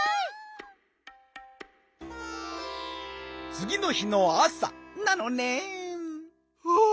つぎの日のあさなのねん。